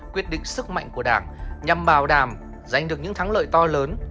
quyết định sức mạnh của đảng nhằm bảo đảm giành được những thắng lợi to lớn